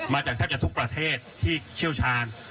มาที่แคปแต่ทุกประเทศที่ช่วยชาญ